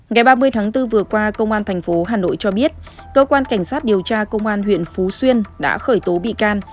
ngày ba mươi tháng bốn vừa qua công an tp hà nội cho biết cơ quan cảnh sát điều tra công an huyện phú xuyên đã khởi tố bị can